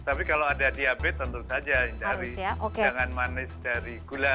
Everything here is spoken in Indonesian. tapi kalau ada diabetes tentu saja jangan manis dari gula